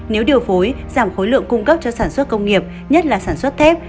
nếu điều phối giảm khối lượng cung cấp cho sản xuất công nghiệp nhất là sản xuất thép